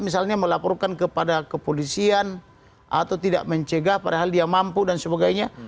misalnya melaporkan kepada kepolisian atau tidak mencegah padahal dia mampu dan sebagainya